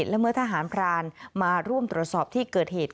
และเมื่อทหารพรานมาร่วมตรวจสอบที่เกิดเหตุ